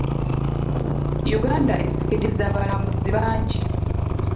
Uganda esikiriza abalambuzi bangi.